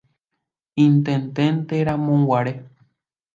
Intendenteramoguare.